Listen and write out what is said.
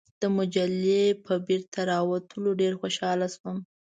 د مجلې په بیرته راوتلو ډېر خوشاله شوم.